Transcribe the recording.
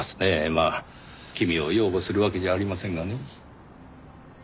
まあ君を擁護するわけじゃありませんがね。